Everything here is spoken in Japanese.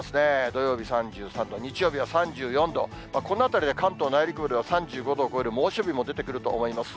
土曜日３３度、日曜日は３４度、このあたりで関東内陸部で３５度を超える猛暑日も出てくると思います。